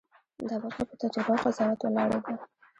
دا برخه په تجربه او قضاوت ولاړه ده.